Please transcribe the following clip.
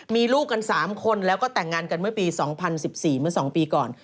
มีลูกกัน๓คนแล้วก็แต่งงานกันเมื่อปี๒๐๑๔เมื่อ๒ปีก่อน